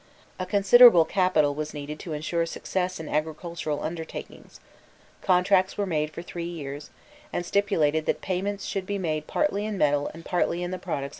A considerable capital was needed to ensure success in agricultural undertakings: contracts were made for three years, and stipulated that payments should be made partly in metal and partly in the products of the soil.